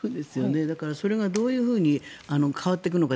だからそれがどういうふうに変わっていくのか